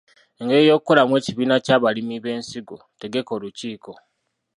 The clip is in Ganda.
Engeri y’okukolamu ekibiina ky’abalimi b’ensigo Tegeka olukiiko.